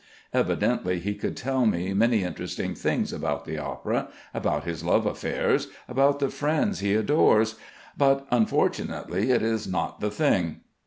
Evidently he could tell me many interesting things about the opera, about his love affairs, about the friends he adores; but, unfortunately, it is not the thing.